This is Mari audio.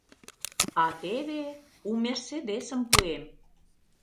А теве... у «Мерседесым» пуэм.